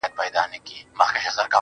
• د غلا خبري پټي ساتي.